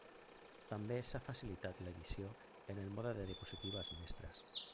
També s'ha facilitat l'edició en el mode de diapositives mestres.